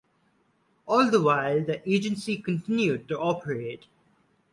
All the while, the agency continued to operate.